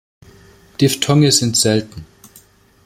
Diphthonge sind selten.